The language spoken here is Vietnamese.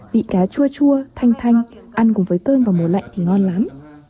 vị cá chua chua thanh thanh cùng với cơm và mùa lạnh thì ngon lắm